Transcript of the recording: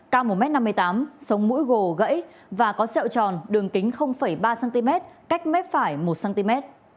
cao một m năm mươi tám sống mũi gồ gãy và có sẹo tròn đường kính ba cm cách mép phải một cm